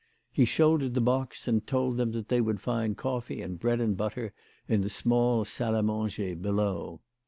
He shouldered the box, and told them that they would find coffee and bread and butter in the small salle a manger below.